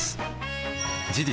事実